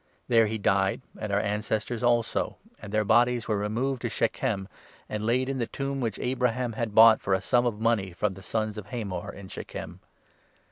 There he died, and our ancestors also, and 16 their bodies were removed to Shechem, and laid in the tomb which Abraham had bought for a sum of money from the sons of Hamor in Shechem.